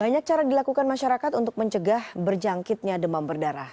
banyak cara dilakukan masyarakat untuk mencegah berjangkitnya demam berdarah